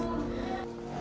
beberapa bulan ini sudah